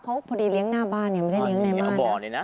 เขาพอดีเลี้ยงหน้าบ้านเนี่ยไม่ได้เลี้ยงในบ้าน